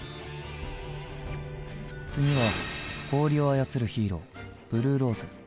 次は氷を操るヒーローブルーローズ。